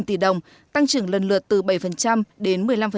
chín mươi tỷ đồng tăng trưởng lần lượt từ bảy đến một mươi năm